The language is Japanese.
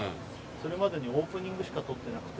それまでにオープニングしか撮ってなくて。